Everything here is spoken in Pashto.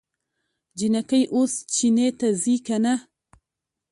جينکۍ اوس چينې ته ځي که نه؟